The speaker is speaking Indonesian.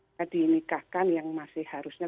kita dinikahkan yang masih harusnya